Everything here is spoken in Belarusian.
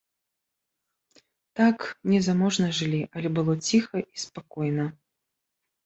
Так, незаможна жылі, але было ціха і спакойна.